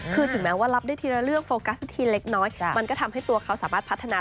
คือถึงแม้ว่ารับได้ทีละเรื่องโฟกัสสักทีเล็กน้อยมันก็ทำให้ตัวเขาสามารถพัฒนา